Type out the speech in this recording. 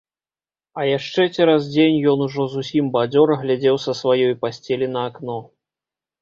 А яшчэ цераз дзень ён ужо зусім бадзёра глядзеў са сваёй пасцелі на акно.